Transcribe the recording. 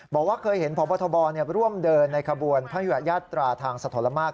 บอกว่าเคยเห็นพบทบร่วมเดินในขบวนพระยุญาตราทางสะทนละมาก